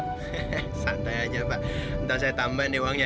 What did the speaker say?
hehehe santai aja pak ntar saya tambahin deh uangnya